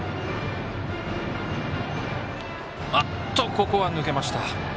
ここは抜けました。